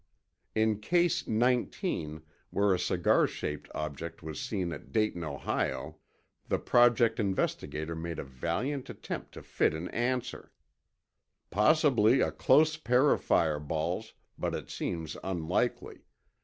In Case 19, where a cigar shaped object was seen at Dayton, Ohio, the Project investigator made a valiant attempt to fit an answer: "Possibly a close pair of fireballs, but it seems unlikely.